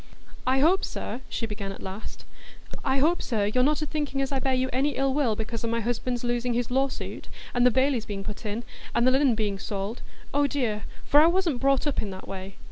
"I hope, sir," she began at last,—"I hope, sir, you're not a thinking as I bear you any ill will because o' my husband's losing his lawsuit, and the bailies being put in, and the linen being sold,—oh dear!—for I wasn't brought up in that way.